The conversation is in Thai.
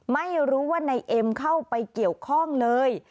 ไม่รู้ว่านายเอ็มเข้าไปเกี่ยวข้องเลย